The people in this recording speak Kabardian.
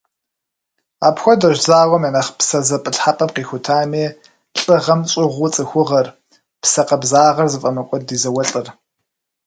Апхуэдэщ зауэм я нэхъ псэзэпылъхьэпӏэм къихутами, лӏыгъэм щӏыгъуу цӏыхугъэр, псэ къабзагъэр зыфӏэмыкӏуэд ди зауэлӏыр.